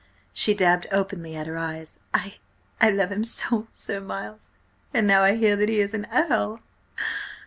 She dabbed openly at her eyes. "I–I love him so, Sir Miles–and now I hear that he is an Earl!"